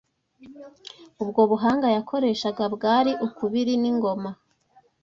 Ubwo buhanga yakoreshaga bwari ukubiri ningoma